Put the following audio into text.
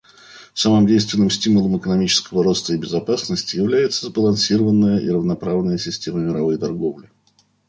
Самым действенным стимулом экономического роста и безопасности является сбалансированная и равноправная система мировой торговли.